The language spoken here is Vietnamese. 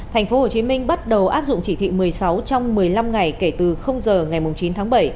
tp hcm bắt đầu áp dụng chỉ thị một mươi sáu trong một mươi năm ngày kể từ giờ ngày chín tháng bảy